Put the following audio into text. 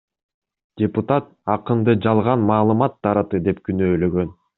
Депутат акынды жалган маалымат таратты деп күнөөлөгөн.